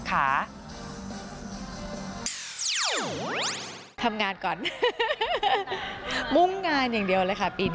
เพราะว่าถ้าทำอยากจะทุ่มเทเวลาให้กับงานเพลงอยากให้มันออกมาดีนะ